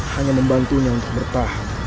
hanya membantunya untuk bertah